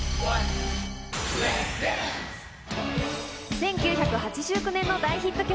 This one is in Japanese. １９８９年の大ヒット曲。